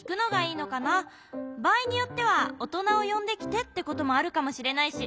ばあいによっては「おとなをよんできて」ってこともあるかもしれないし。